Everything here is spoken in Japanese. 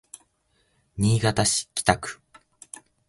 新潟市北区